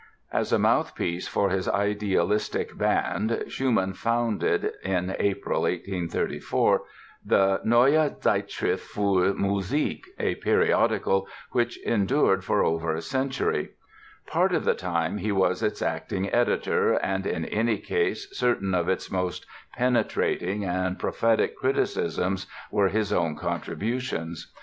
As a mouthpiece for his idealistic band Schumann founded, in April 1834, the Neue Zeitschrift für Musik—a periodical which endured for over a century. Part of the time he was its acting editor and in any case certain of its most penetrating and prophetic criticisms were his own contributions.